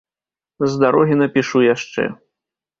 З дарогі напішу яшчэ.